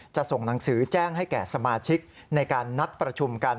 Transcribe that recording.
ส่งหนังสือแจ้งให้แก่สมาชิกในการนัดประชุมกัน